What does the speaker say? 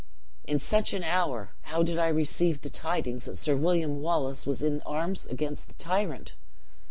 "In such an hour, how did I receive the tidings, that Sir William Wallace was in arms against the tyrant!